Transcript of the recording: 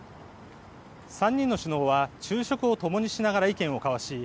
３人の首脳は昼食をともにしながら意見を交わし